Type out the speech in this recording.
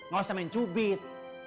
gak usah main cubit